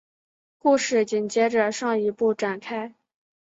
故事紧接着上一部展开。